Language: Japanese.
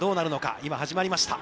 今、始まりました。